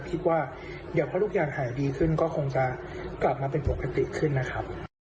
คิดว่าเดี๋ยวพอทุกอย่างหายดีขึ้นก็คงจะกลับมาเป็นปกติขึ้นนะครับ